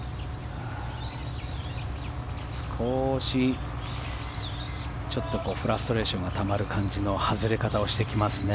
少しちょっとフラストレーションがたまる感じの外れ方をしてきますね。